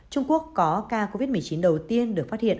trung quốc có ca covid một mươi chín đầu tiên được phát hiện